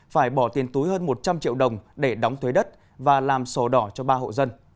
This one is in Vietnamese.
phải bỏ tiền túi hơn một trăm linh triệu đồng để đóng thuế đất và làm sổ đỏ cho ba hộ dân